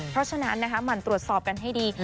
เพราะฉะนั้นนะคะหมั่นตรวจสอบกันให้ดี